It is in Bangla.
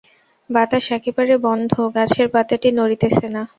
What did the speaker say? বাতাস একেবারে বন্ধ, গাছের পাতাটি নড়িতেছে না।